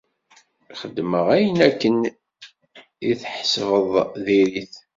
Xedmeɣ ayen akken i tḥesbeḍ dir-it.